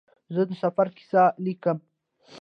زه د سفر کیسه لیکم.